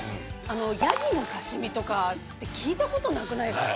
ヤギの刺し身とかって聞いたことなくないですか？